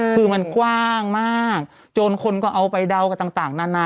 คือมันกว้างมากจนคนก็เอาไปเดากันต่างนานา